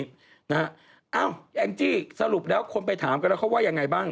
เอ้าแองจี้สรุปแล้วคนไปถามกันแล้วเขาว่ายังไงบ้าง